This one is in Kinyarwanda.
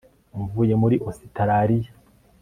mvuye muri ositaraliya